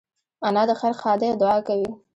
انا د خیر ښادۍ دعا کوي